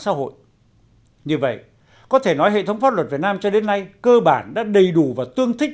xã hội như vậy có thể nói hệ thống pháp luật việt nam cho đến nay cơ bản đã đầy đủ và tương thích